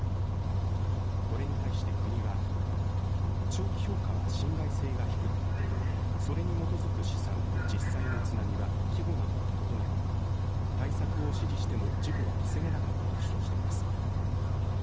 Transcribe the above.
これに対して、国は長期評価は信頼性が低くそれに基づく試算と実際の津波は規模などが異なり対策を指示しても事故は防げなかったと主張しています。